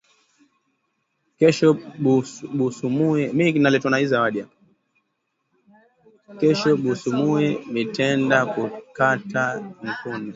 Kesho busubuyi mitenda kukata nkuni